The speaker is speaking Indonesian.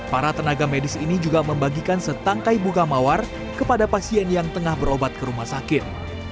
para tenaga medis ini juga membagikan setangkai buka mawar kepada pasien yang tengah berobat ke rumah sakit